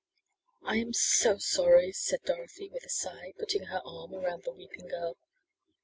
"I am so sorry," said Dorothy with a sigh, putting her arm around the weeping girl.